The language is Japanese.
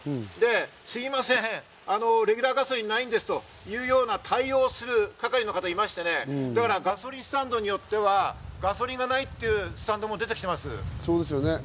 すみません、レギュラーガソリンはないんですというような対応をする係の人がいまして、ガソリンスタンドによってはガソリンがないというスタンドも出てきています。